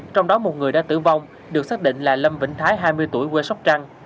trong đó một người đã tử vong được xác định là lâm vĩnh thái hai mươi tuổi quê sóc trăng